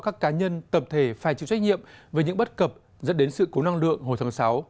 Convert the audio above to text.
các cá nhân tập thể phải chịu trách nhiệm về những bất cập dẫn đến sự cố năng lượng hồi tháng sáu